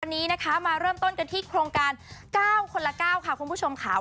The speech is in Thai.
วันนี้นะคะมาเริ่มต้นกันที่โครงการ๙คนละ๙ค่ะคุณผู้ชมค่ะ